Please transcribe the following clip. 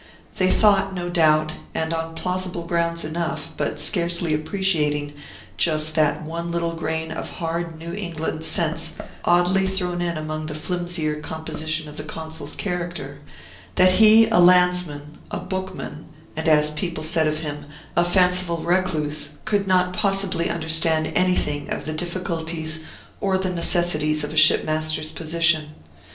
They thought, no doubt (and on plausible grounds enough, but scarcely appreciating just that one little grain of hard New England sense, oddly thrown in among the flimsier composition of the Consul's character), that he, a landsman, a bookman, and, as people said of him, a fanciful recluse, could not possibly understand anything of the difficulties or the necessities of a shipmaster's position.